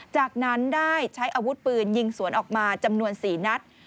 จากนั้นได้ใช้อาวุธปืนยิงสวนออกมาจำนวน๔นัด